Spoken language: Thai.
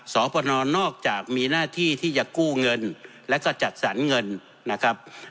สพนนอกจากมีหน้าที่ที่จะกู้เงินและก็จัดสรรเงินนะครับ